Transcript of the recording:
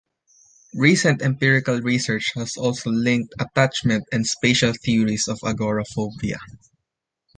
Recent empirical research has also linked attachment and spatial theories of agoraphobia.